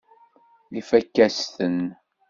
Ifakk-as-ten.